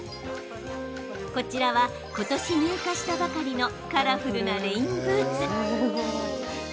こちらはことし入荷したばかりのカラフルなレインブーツ。